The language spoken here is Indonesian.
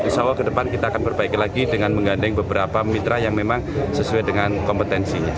insya allah ke depan kita akan perbaiki lagi dengan menggandeng beberapa mitra yang memang sesuai dengan kompetensinya